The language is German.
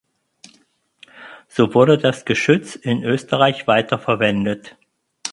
So wurde das Geschütz in Österreich weiter verwendet.